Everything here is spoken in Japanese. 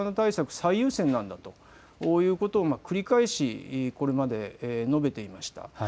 最優先なんだということを繰り返しこれまで述べていました。